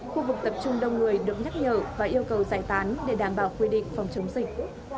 khu vực tập trung đông người được nhắc nhở và yêu cầu giải tán để đảm bảo quy định phòng chống dịch